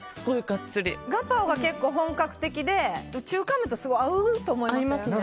ガパオが結構本格的で中華麺とすごく合うと思いません？